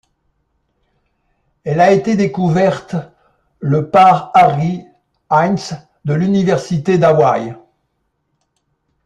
Elle a été découverte le par Ari Heinze de l'Université d'Hawaï.